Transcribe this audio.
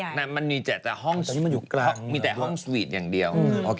ซึ่งมันจะใหญ่มากมันมีแต่ห้องสวีทอย่างเดียว